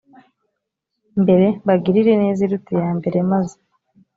mbere mbagirire ineza iruta iya mbere maze